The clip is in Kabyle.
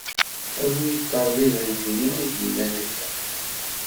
D bu iṭerbiben-nni i yi-d-yennan akka.